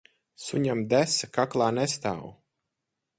Suņam desa kaklā nestāv.